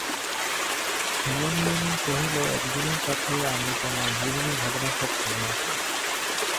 হেমনলিনী কহিল, একজনের কাছে আমি তোমার জীবনের ঘটনা সব শুনিয়াছি।